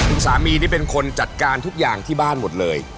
คุณสามีนี่เป็นคนจัดการทุกอย่างที่บ้านหมดเลย